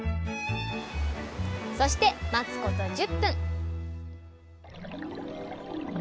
そして待つこと１０分